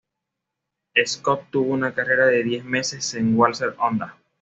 Scott tuvo una carrera de diez meses en Walser Honda.